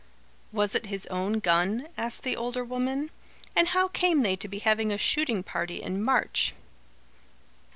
"Was it his own gun?" asked the older woman. "And how came they to be having a shooting party in March?"